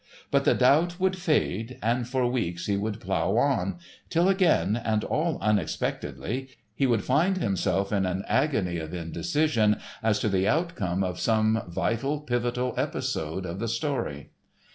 But the doubt would fade, and for weeks he would plough on, till again, and all unexpectedly, he would find himself in an agony of indecision as to the outcome of some vital pivotal episode of the story.